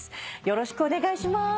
よろしくお願いします。